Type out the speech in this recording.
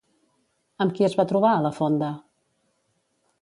Amb qui es va trobar a la fonda?